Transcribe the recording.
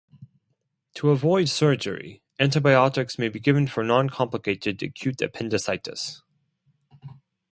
To avoid surgery, antibiotics may be given for non-complicated acute appendicitis.